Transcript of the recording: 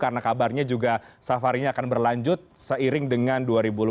karena kabarnya juga safarinya akan berlanjut seiring dengan dua ribu dua puluh empat